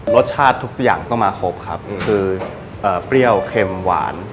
รสชาติทุกอย่างต้องมาครบครับคือเปรี้ยวเค็มหวาน